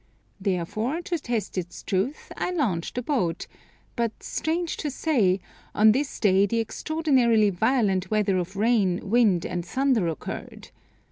Therefore, to test its truth I launched a boat, but strange to say, on this day the extraordinarily violent weather of rain, wind, and thunder occurred.